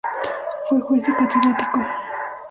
Fue juez y catedrático.